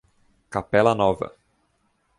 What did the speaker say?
Capela Nova